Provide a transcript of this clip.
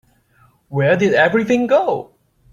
Where did everything go?